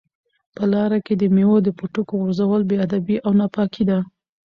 په لاره کې د مېوې د پوټکو غورځول بې ادبي او ناپاکي ده.